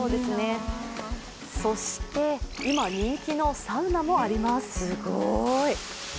そして今、人気のサウナもあります。